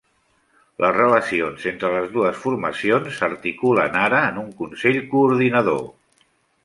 Les relacions entre les dues formacions s'articulen ara en un Consell Coordinador.